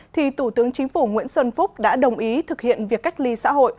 thì tủ tướng chính phủ nguyễn xuân phúc đã đồng ý thực hiện việc cách ly xã hội